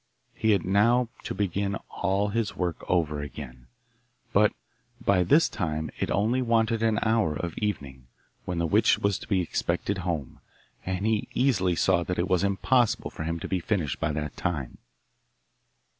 He had now to begin all his work over again, but by this time it only wanted an hour of evening, when the witch was to be expected home, and he easily saw that it was impossible for him to be finished by that time.